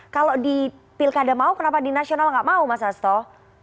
kalau di pilkada mau kenapa di nasional nggak mau mas asto